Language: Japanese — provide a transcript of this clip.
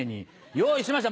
用意しました